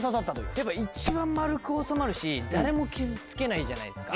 やっぱ一番丸く収まるし誰も傷つけないじゃないですか。